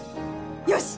よし！